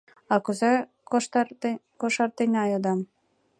— А кузе кошартена? — йодам.